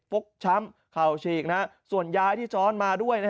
กช้ำเข่าฉีกส่วนยายที่ซ้อนมาด้วย